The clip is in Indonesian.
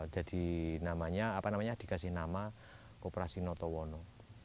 jadi namanya apa namanya dikasih nama kooperasi notowono